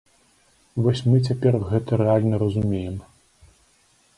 Вось мы цяпер гэта рэальна разумеем.